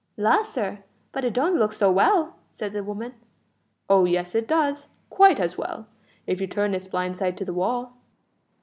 "La! sir, but it don't look so well," said the woman. "O yes, it does; quite as well, if you turn its blind side to the wall."